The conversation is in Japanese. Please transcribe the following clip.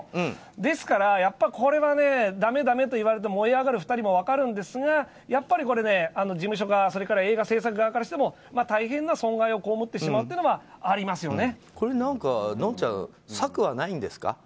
ですから、これはだめだめと言われて燃え上がる２人も分かるんですがやっぱり事務所側映画制作側からしても大変な損害を被ってしまうというのは何か、のんちゃん策はないんですか？